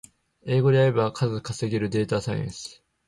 英語でやれば数稼げるデータサイエンス